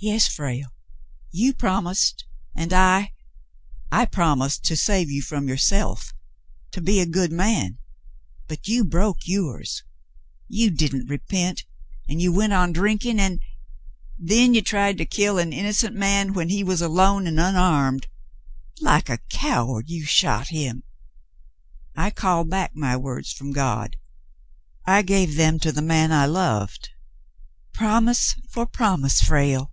"Yes, Frale, you promised, and I — I — promised — to save you from yourself — to be a good man ; but you broke yours. You didn't repent, and you went on drink ing, and — then you tried to kill an innocent man when he was alone and unarmed; like a coward you shot him. I called back my words from God; I gave them to the man I loved — promise for promise, Frale."